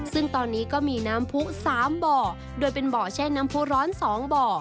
ซึ่งตอนนี้ก็มีน้ำผู้๓บ่อโดยเป็นบ่อแช่น้ำผู้ร้อน๒บ่อ